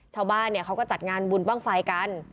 ชาวบ้านเขาก็จัดงานบุญบ้างไฟกัน